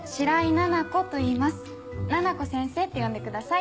奈々子先生って呼んでください。